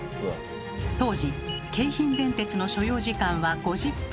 当時京浜電鉄の所要時間は５０分。